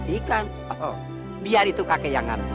ikan oh biar itu kakek yang ngerti